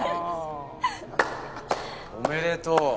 おめでとう。